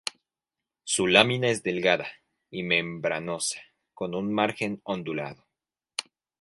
Su lámina es delgada, y membranosa con un margen ondulado.